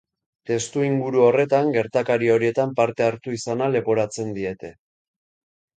Testuinguru horretan, gertakari horietan parte hartu izana leporatzen diete.